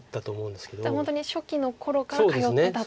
じゃあもう本当に初期の頃から通ってたと。